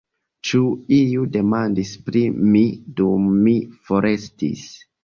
Ĉu iu demandis pri mi dum mi forestis?